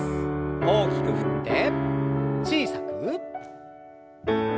大きく振って小さく。